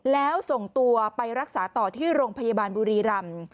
แล้วส่งตัวไปรักษาต่อที่โรงพยาบาลบุรีรำ